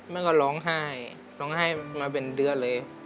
แม่ก็ร้องไห้ร้องไห้มาเป็นเดือนเลย